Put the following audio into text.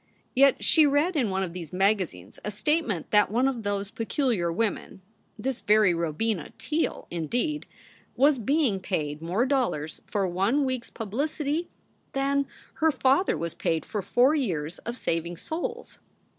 Yet she read in one of these magazines a statement that one of those peculiar women this very Robina Teele, indeed was being paid more dollars for one week s pub licity than her father was paid for four years of saving souls.